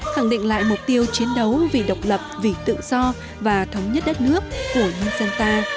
khẳng định lại mục tiêu chiến đấu vì độc lập vì tự do và thống nhất đất nước của nhân dân ta